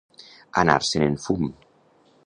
Anar-se'n en fum.